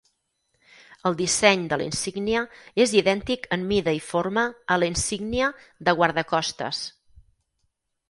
El disseny de la insígnia és idèntic en mida i forma a la insígnia de guardacostes.